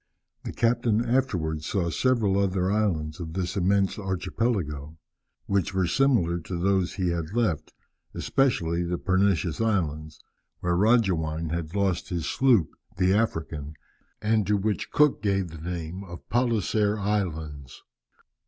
The captain afterwards saw several other islands of this immense archipelago, which were similar to those he had left, especially the Pernicious Islands, where Roggewein had lost his sloop, the African, and to which Cook gave the name of Palliser Islands."